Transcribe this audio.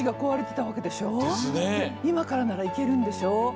今からなら行けるんでしょ。